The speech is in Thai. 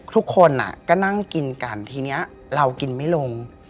ทุกคนก็นั่งกินกันทีนี้เรากินไม่ลง